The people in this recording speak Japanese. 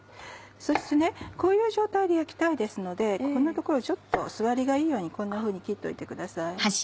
そしてこういう状態で焼きたいですのでここの所ちょっと座りがいいようにこんなふうに切っておいてください。